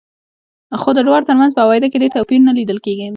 خو د دواړو ترمنځ په عوایدو کې ډېر توپیر نه لیدل کېده.